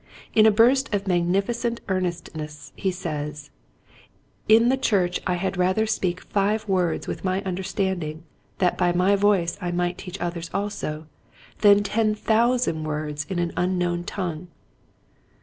In a burst of magnificent earnestness he says, " In the church I had rather speak five words with my understanding that by my voice I might teach others also, than ten thousand words in an unknown tongue."